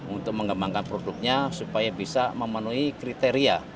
untuk mengembangkan produknya supaya bisa memenuhi kriteria